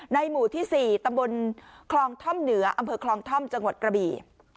หมู่ที่๔ตำบลคลองท่อมเหนืออำเภอคลองท่อมจังหวัดกระบี่